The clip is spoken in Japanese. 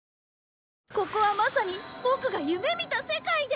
ここはまさにボクが夢見た世界です！